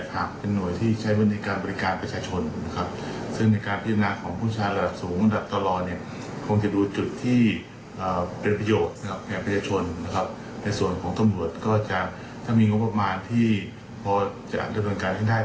ถ้ามีงบประมาณที่พอจะอันตรวจการณ์ให้ได้